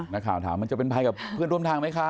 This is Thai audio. นักข่าวถามมันจะเป็นภัยกับเพื่อนร่วมทางไหมคะ